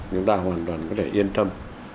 chúng ta hoàn toàn có thể yên tâm